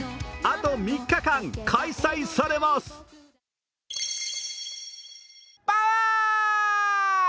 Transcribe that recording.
あと３日間開催されます。